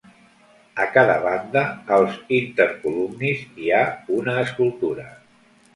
A cada banda, als intercolumnis hi ha una escultura.